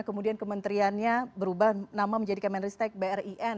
kemudian kementeriannya berubah nama menjadi kemenristek brin